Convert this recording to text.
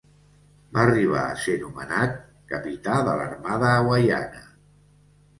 Va arribar a ser nomenat capità de l'armada hawaiana.